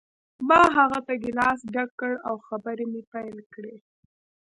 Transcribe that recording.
ما هغه ته ګیلاس ډک کړ او خبرې مې پیل کړې